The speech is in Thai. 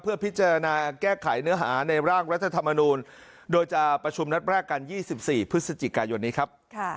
เพื่อพิจารณาแก้ไขเนื้อหาในร่างรัฐธรรมนูลโดยจะประชุมนัดแรกกัน๒๔พฤศจิกายนนี้ครับ